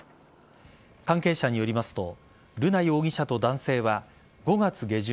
関係者によりますと瑠奈容疑者と男性は５月下旬